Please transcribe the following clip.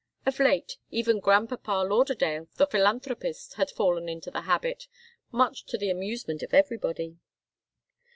Of late, even grandpapa Lauderdale, the philanthropist, had fallen into the habit, much to the amusement of everybody.